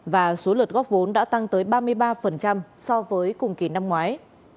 và số lượt góp vốn đã tăng tới ba mươi ba so với cùng kỳ năm ngoái